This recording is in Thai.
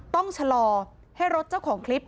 ต้องชะลอให้รถเจ้าของคลิป